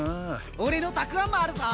俺のたくあんもあるぞ！